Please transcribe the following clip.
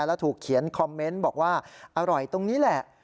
แล้วถูกเขียนคอมเมนต์บอกว่าอร่อยตรงนี้แหละ